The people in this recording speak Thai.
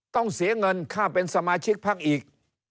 ต้องเสียเงินค่าเป็นสมาชิกพักอีก